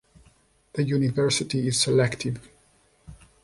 The university is selective.